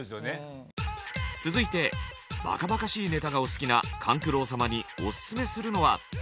続いてバカバカしいネタがお好きな勘九郎様にオススメするのは。